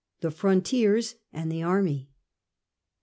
THE FRONTIERS AND THE ARMY.